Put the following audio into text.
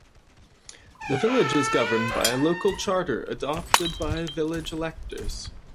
The village is governed by a local charter adopted by village electors.